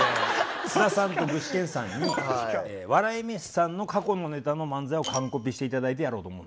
津田さんと具志堅さんに笑い飯さんの過去のネタの漫才を完コピして頂いてやろうと思うんですよ。